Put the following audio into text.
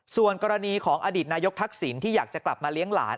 ส่วนกรณีของอดีตนายกทักษิณที่อยากจะกลับมาเลี้ยงหลาน